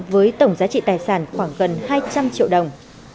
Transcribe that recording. với tổng giá trị tài sản khoảng gần hai trăm linh triệu đồng